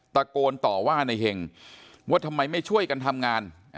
ตะโกนต่อว่าในเห็งว่าทำไมไม่ช่วยกันทำงาน